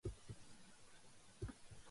მთავარი ქალაქია მარაკაი.